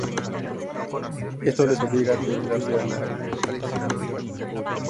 Esto les obligó a trasladarse a la localización actual.